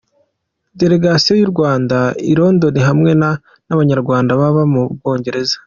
Delegation y'u Rwanda i London, hamwe n'abanyaRwanda baba mu bwongereza.